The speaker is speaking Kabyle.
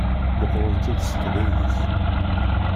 Meqqṛent-d s teqbaylit.